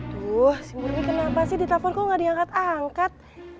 tuh si murni kenapa sih di telepon kok ga diangkat angkat